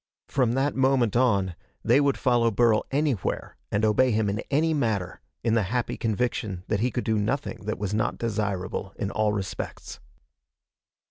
From that moment on, they would follow Burl anywhere and obey him in any matter, in the happy conviction that he could do nothing that was not desirable in all respects.